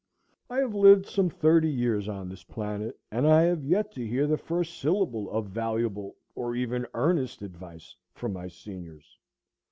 I have lived some thirty years on this planet, and I have yet to hear the first syllable of valuable or even earnest advice from my seniors.